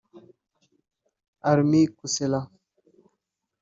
Armi Kuusela